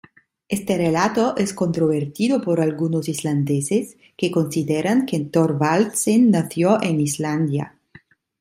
Este relato es controvertido por algunos islandeses, que consideran que Thorvaldsen nació en Islandia.